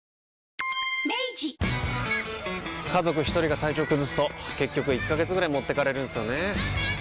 家族一人が体調崩すと結局１ヶ月ぐらい持ってかれるんすよねー。